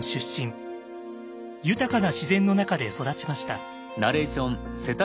豊かな自然の中で育ちました。